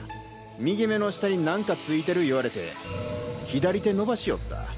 右目の下に何か付いてる言われて左手伸ばしよった。